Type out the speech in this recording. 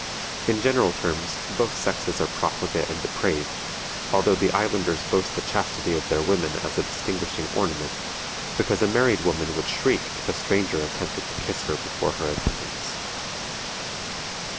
In general terms, both sexes are profligate and depraved, although the islanders boast the chastity of their women as a distinguishing ornament, because a married woman would shriek if a stranger attempted to kiss her before her attendants.